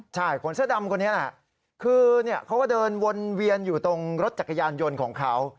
ใช่คนเสื้อดำคนนี้แหละคือเขาก็เดินวนเวียนอยู่ตรงรถจักรยานยนต์ของเขา